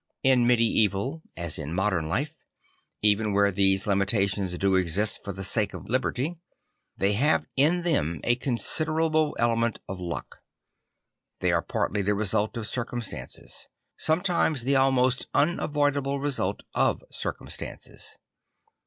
In medieval as in modern life, even where these limitations do exist for the sake of liberty, they have in them a considerable element of luck. They are partly the result of circum stances; sometimes the almost unavoidable result of circumstances.